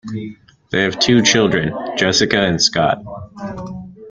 They have two children, Jessica and Scott.